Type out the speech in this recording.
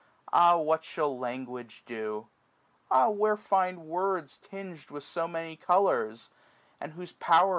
Ah what shall language do ? ah where find words Ting'd with so many colours ; and whose power.